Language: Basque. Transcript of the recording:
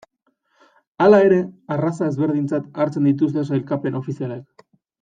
Hala ere, arraza ezberdintzat hartzen dituzte sailkapen ofizialek.